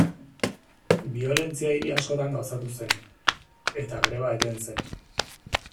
Biolentzia hiri askotan gauzatu zen, eta greba eten zen.